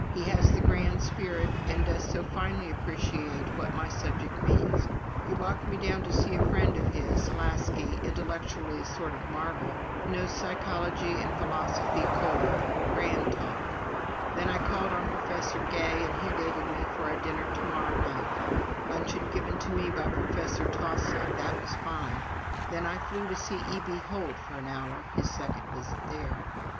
He has the grand spirit and does so finely appreciate what my subject means. He walked me down to see a friend of his, Laski, intellectually a sort of marvel knows psychology and philosophy cold grand talk. Then I called on Professor Gay and he dated me for a dinner to morrow night. Luncheon given to me by Professor Taussig that was fine. ... Then I flew to see E.B. Holt for an hour [his second visit there].